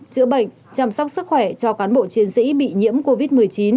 chữa bệnh chăm sóc sức khỏe cho cán bộ chiến sĩ bị nhiễm covid một mươi chín